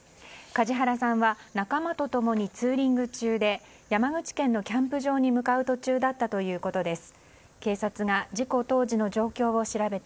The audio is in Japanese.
梶原さんは仲間と共にツーリング中で山口県のキャンプ場に向かう途中だったということです。